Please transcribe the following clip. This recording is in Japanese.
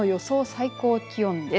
最高気温です。